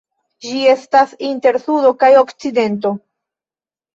Ĝi estas inter Sudo kaj Okcidento.